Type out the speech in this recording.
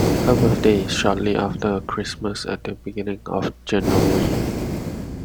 Her birthday is shortly after Christmas, at the beginning of January